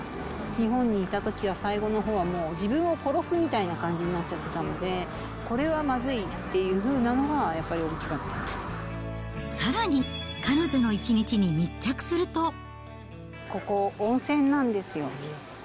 日本にいたときは最後のほうは自分を殺すみたいな感じになっちゃってたんで、これはまずいっていうふうなのはやっぱり大きかったさらに、ここ、温泉なんですよ。